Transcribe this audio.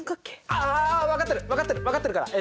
ああ分かってる分かってる分かってるから。